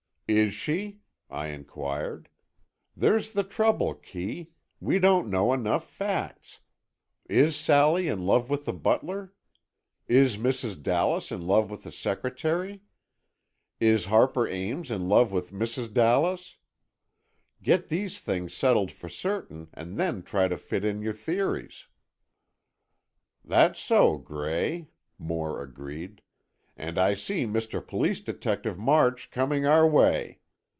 "Is she?" I inquired. "There's the trouble, Kee, we don't know enough facts. Is Sally in love with the butler? Is Mrs. Dallas in love with the secretary? Is Harper Ames in love with Mrs. Dallas? Get these things settled for certain, and then try to fit in your theories." "That's so, Gray," Moore agreed. "And I see Mr. Police Detective March coming our way.